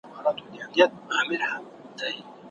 هر څوک حق لري چې د خپل ژوند په اړه پرېکړه وکړي.